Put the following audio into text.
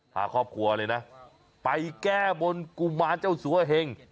พาครอบครัวเลยนะไปแก้บนกุมารเจ้าสัวเหง